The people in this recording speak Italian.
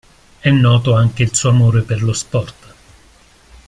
È noto anche il suo amore per lo sport.